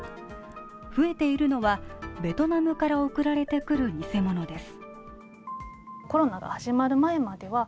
増えているのはベトナムから送られてくる偽物です。